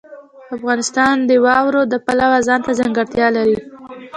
افغانستان د واوره د پلوه ځانته ځانګړتیا لري.